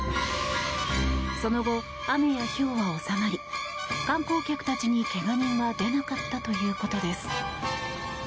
その後、雨やひょうは収まり観光客たちに怪我人は出なかったということです。